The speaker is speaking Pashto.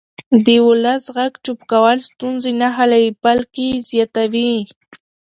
د ولس غږ چوپ کول ستونزې نه حلوي بلکې یې زیاتوي